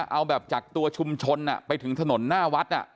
เอาแบบจากตัวชุมชนไปถึงถนนหน้าวัด